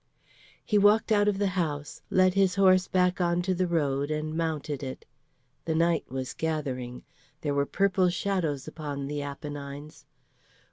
He walked out of the house, led his horse back onto the road and mounted it. The night was gathering; there were purple shadows upon the Apennines.